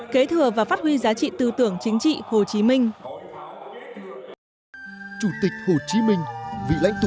kế thừa và phát huy giá trị tư tưởng chính trị hồ chí minh